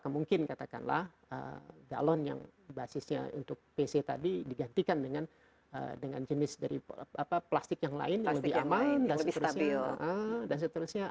mungkin katakanlah galon yang basisnya untuk pc tadi digantikan dengan jenis dari plastik yang lain yang lebih aman dan seterusnya